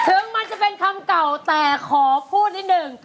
ถึงมันจะเป็นคำเก่าแต่ขอพูดนิดหนึ่ง